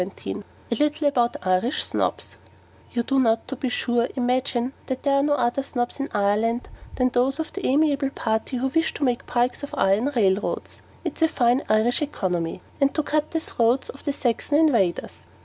CHAPTER XVII A LITTLE ABOUT IRISH SNOBS You do not, to be sure, imagine that there are no other Snobs in Ireland than those of the amiable party who wish to make pikes of iron railroads (it's a fine Irish economy), and to cut the throats of the Saxon invaders.